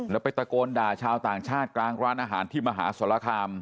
แล้วไปตะโกนด่าชาวต่างชาติกลางร้านอาหารที่มหาสรคาม